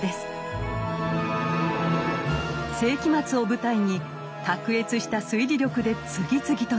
世紀末を舞台に卓越した推理力で次々と難事件を解決。